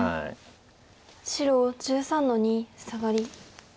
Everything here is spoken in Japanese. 白１３の二サガリ。